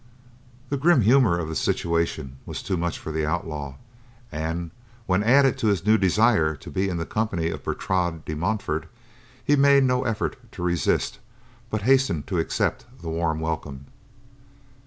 The grim humor of the situation was too much for the outlaw, and, when added to his new desire to be in the company of Bertrade de Montfort, he made no effort to resist, but hastened to accept the warm welcome.